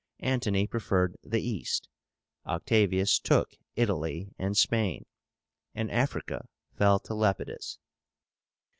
Antony preferred the East, Octavius took Italy and Spain, and Africa fell to Lepidus.